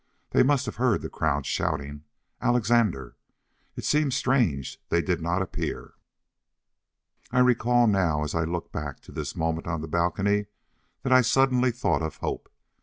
They must have heard the crowd shouting, "Alexandre!" It seemed strange they did not appear. I recall now, as I look back to this moment on the balcony, that I suddenly thought of Hope.